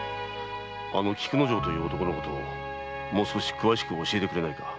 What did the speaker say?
あの菊之丞という男をもう少し詳しく教えてくれぬか？